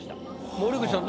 森口さん